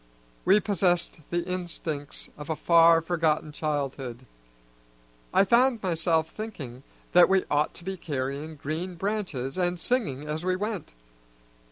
We possessed the instincts of a far, forgotten childhood; I found myself thinking that we ought to be carrying green branches and singing as we went.